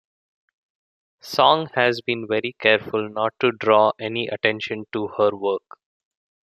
Song has been very careful not to draw any attention to her work.